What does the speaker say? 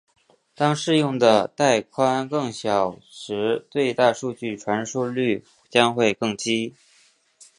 当适用的带宽更小时最大数据传输速率将会更低。